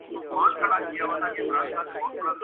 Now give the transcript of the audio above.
پچھلے اڑتالیس سالہ میں فوج بہت بدلہ چک ہے